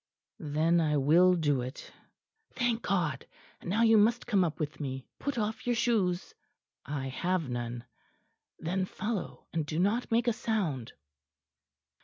"Then I will do it." "Thank God! And now you must come up with me. Put off your shoes." "I have none." "Then follow, and do not make a sound."